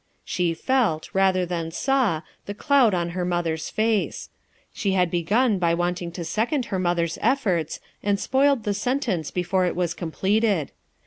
She felt, rather than saw, the cloud on her mother's face; she had begun by wanting to FOUR MOTHERS AT CHAUTAUQUA 45 second her mother's efforts and spoiled the sentence before it was completed.